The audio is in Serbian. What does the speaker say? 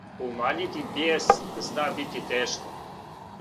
Умањити бијес зна бити тешко.